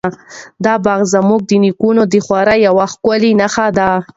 دا باغ زموږ د نیکونو د خواریو یوه ښکلې نښه ده.